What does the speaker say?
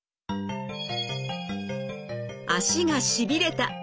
足がしびれた！